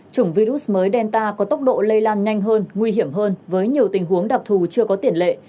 chủng virus mới delta có tốc độ lây lan nhanh hơn nguy hiểm hơn với nhiều tình huống đặc thù chưa có tiền lệ